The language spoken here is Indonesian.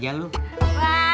jalan dulu ya